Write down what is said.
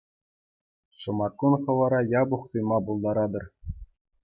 Шӑматкун хӑвӑра япӑх туйма пултаратӑр.